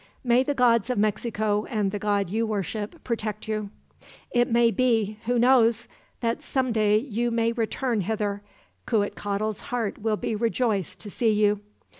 May the gods of Mexico, and the God you worship, protect you. "It may be who knows? that some day you may return hither. Cuitcatl's heart will be rejoiced to see you."